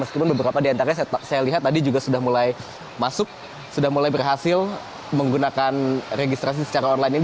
meskipun beberapa di antaranya saya lihat tadi juga sudah mulai masuk sudah mulai berhasil menggunakan registrasi secara online ini